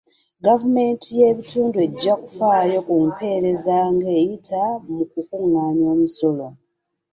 Gavumenti y'ebitundu ejja kufaayo ku mpeereza ng'eyita mu kukungaanya omusolo.